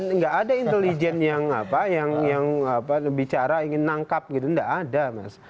tidak ada itu intelijen yang bicara ingin menangkap tidak ada